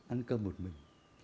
ăn cơm một mình